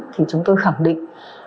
thì chúng tôi khẳng định